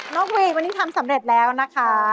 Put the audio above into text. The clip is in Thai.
กวีวันนี้ทำสำเร็จแล้วนะคะ